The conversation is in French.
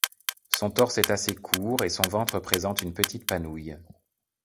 Son torse est assez court et son ventre présente une petite panouille.